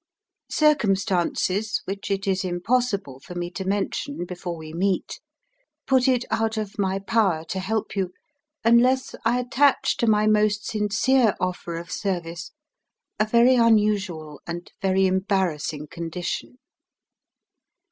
"Circumstances (which it is impossible for me to mention before we meet) put it out of my power to help you unless I attach to my most sincere offer of service a very unusual and very embarrassing condition.